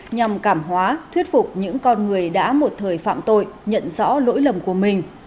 nhằm cảm hóa thuyết phục những con người đã một thời phạm tội nhận rõ lỗi lầm của mình